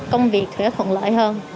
công việc khỏe thuận lợi hơn